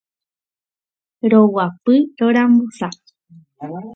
roguapy rorambosa